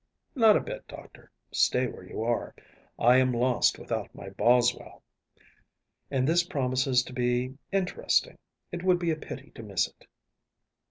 ‚ÄĚ “Not a bit, Doctor. Stay where you are. I am lost without my Boswell. And this promises to be interesting. It would be a pity to miss it.